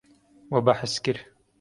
We behs kir.